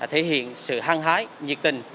thể hiện sự hăng hái nhiệt tình